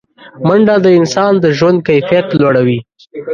منډه د انسان د ژوند کیفیت لوړوي